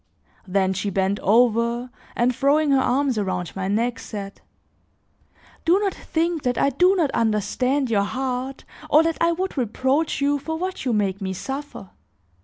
Then she bent over, and, throwing her arms around my neck, said: "Do not think that I do not understand your heart or that I would reproach you for what you make me suffer.